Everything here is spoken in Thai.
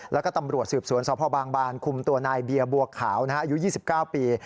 แล้วก็ตำรวจสืบสวนสพบางบานคุมตัวนายเบียร์บัวขาวอายุ๒๙ปี